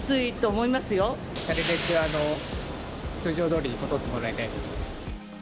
なるべく通常どおりに戻ってもらいたいです。